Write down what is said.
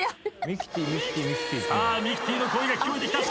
「ミキティ」の声が聞こえてきた。